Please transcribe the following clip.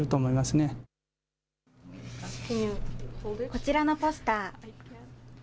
こちらのポスター。